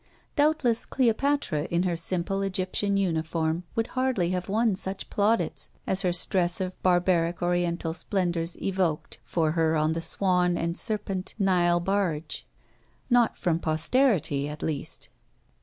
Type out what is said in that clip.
Doubtless Cleopatra in her simple Egyptian uniform would hardly have won such plaudits as her stress of barbaric Oriental splendours evoked for her on the swan and serpent Nile barge not from posterity at least.